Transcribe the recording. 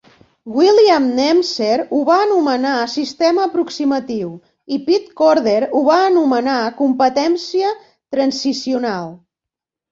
William Nemser ho va anomenar "sistema aproximatiu" i Pit Corder ho va anomenar "competència transicional".